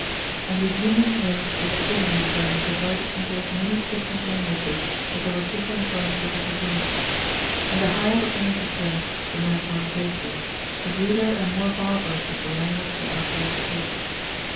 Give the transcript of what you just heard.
And the human 20 DE VULGARI ELOQUENTIA C» confusion different languages as there were different tong ues tranches of the work ; and the higher the branch of work the men were en .>agcd in, the ruder and more barbarous was the language thev afterwards spoke.